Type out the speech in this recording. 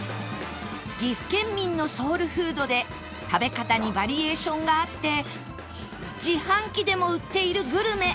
岐阜県民のソウルフードで食べ方にバリエーションがあって自販機でも売っているグルメ